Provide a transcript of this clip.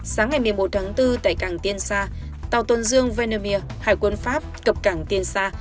sáng ngày một mươi một tháng bốn tại cảng tiên sa tàu tôn dương vene hải quân pháp cập cảng tiên sa